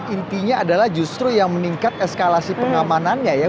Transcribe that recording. intinya adalah justru yang meningkat eskalasi pengamanannya ya